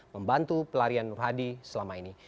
membantu pelarian nur hadi selama ini